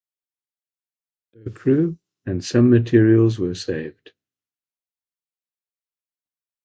Her crew and some materials were saved.